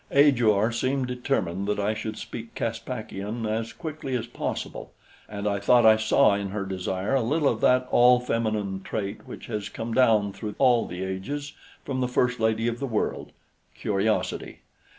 Ajor seemed determined that I should speak Caspakian as quickly as possible, and I thought I saw in her desire a little of that all feminine trait which has come down through all the ages from the first lady of the world curiosity.